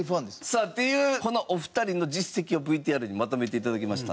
さあっていうこのお二人の実績をＶＴＲにまとめて頂きました。